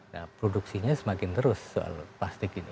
nah produksinya semakin terus soal plastik ini